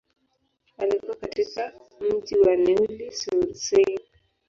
Alikua katika mji wa Neuilly-sur-Seine.